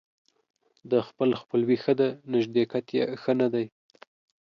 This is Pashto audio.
د خپل خپلوي ښه ده ، نژدېکت يې ښه نه دى.